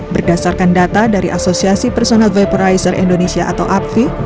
berdasarkan data dari asosiasi personal vaporizer indonesia atau apvi